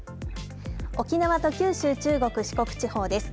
沖縄と九州、中国四国地方です。